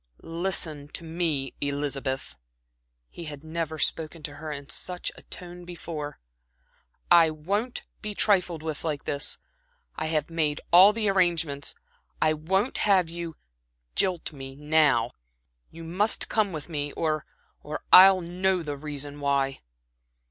"Listen to me, Elizabeth." He had never spoken to her in such a tone before. "I won't be trifled with like this. I have made all the arrangements. I won't have you jilt me now. You must come with me, or I I'll know the reason why."